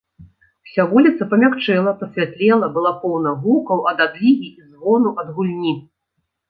Уся вуліца памякчэла, пасвятлела, была поўна гукаў ад адлігі і звону ад гульні.